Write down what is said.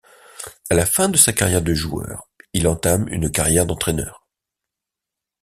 À la fin de sa carrière de joueur, il entame une carrière d'entraîneur.